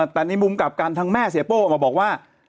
แต่ในมุมกลับกันทางแม่เสียโป้ออกมาบอกว่า